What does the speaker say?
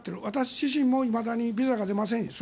私自身もいまだにビザが出ません。